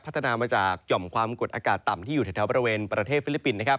นามาจากหย่อมความกดอากาศต่ำที่อยู่แถวบริเวณประเทศฟิลิปปินส์